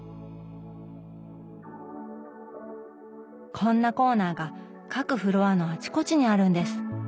こんなコーナーが各フロアのあちこちにあるんです。